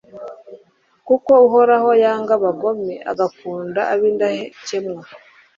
kuko uhoraho yanga abagome, agakunda ab'indakemwa